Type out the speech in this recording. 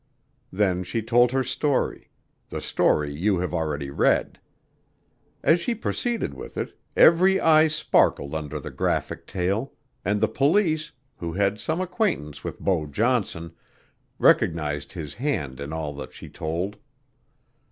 Then she told her story the story you have already read. As she proceeded with it, every eye sparkled under the graphic tale, and the police, who had some acquaintance with Beau Johnson, recognized his hand in all that she told.